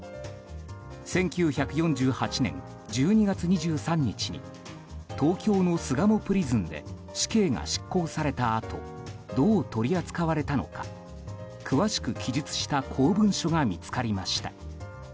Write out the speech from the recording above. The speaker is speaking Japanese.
１９４８年１２月２３日に東京の巣鴨プリズンで死刑が執行されたあとどう取り扱われたのか詳しく記述した公文書が見つかりました。